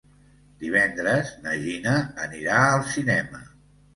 Divendres na Gina anirà al cinema.